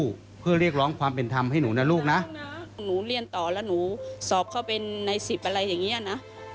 หนูเรียนต่อแล้วหนูสอบเข้าเป็นในสิบอะไรอย่างนี้นะ